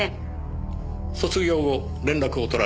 卒業後連絡を取られたりは？